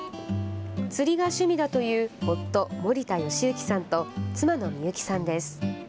釣りが趣味だという夫、森田昌行さんと妻の美幸さんです。